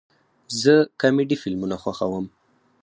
زه کامیډي فلمونه خوښوم